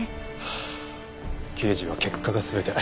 あ刑事は結果が全て。